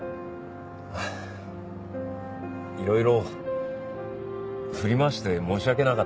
いろいろ振り回して申し訳なかった。